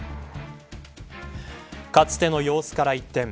かつての様子から一転。